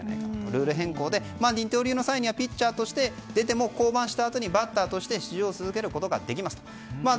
ルール変更で二刀流の際にはピッチャーとして出ても降板したあとにバッターとして出場することができます。